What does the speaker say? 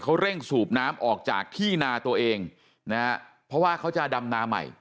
เขาเร่งสูบน้ำออกจากที่นาตัวเองนะฮะเพราะว่าเขาจะดำนาใหม่